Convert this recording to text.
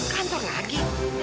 ke kantor lagi